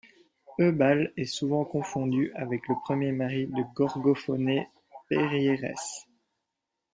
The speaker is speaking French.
Œbale est souvent confondu avec le premier mari de Gorgophoné, Périérès.